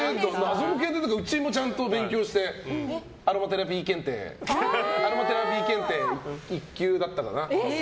うちもちゃんと勉強してアロマテラピー検定１級だったかな。